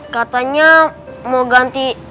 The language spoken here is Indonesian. katanya mau ganti